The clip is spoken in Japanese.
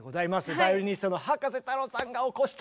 バイオリニストの葉加瀬太郎さんがお越しということで！